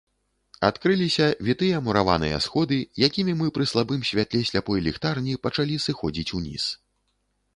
Адкрыліся вітыя мураваныя сходы, якімі мы пры слабым святле сляпой ліхтарні пачалі сыходзіць уніз.